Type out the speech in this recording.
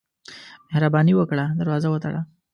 مهرباني وکړه، دروازه وتړه.